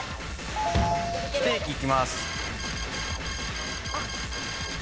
ステーキいきます。